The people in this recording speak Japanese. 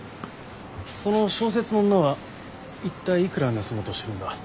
その小説の女は一体いくら盗もうとしてるんだ？